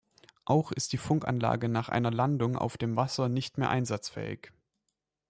Auch ist die Funkanlage nach einer Landung auf dem Wasser nicht mehr einsatzfähig.